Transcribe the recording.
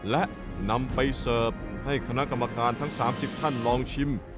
และนำไปเสิร์ฟให้คณะกรรมการทั้ง๓๐ท่านลองชิม